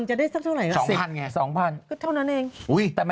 ช่วงหน้า